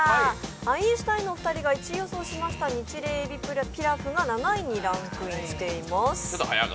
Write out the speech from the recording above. アインシュタインのお二人が１位予想しましたニチレイのえびピラフが７位にランクインしています。